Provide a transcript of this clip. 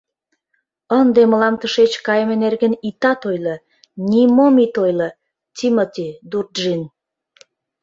— Ынде мылам тышеч кайыме нерген итат ойло, нимом ит ойло, Тимоти Дурджин!